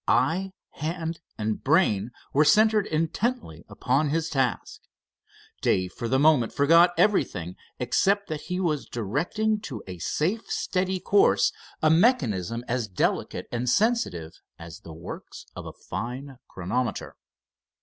Eye, hand and brain were centered intently upon his task. Dave for the moment forgot everything, except that he was directing to a safe, steady course a mechanism as delicate and sensitive as the works of a fine chronometer.